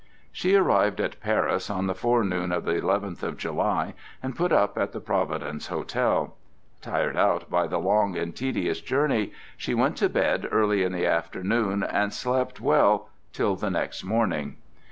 She arrived at Paris on the forenoon of the eleventh of July, and put up at the Providence Hotel. Tired out by the long and tedious journey, she went to bed early in the afternoon and slept well till the next morning.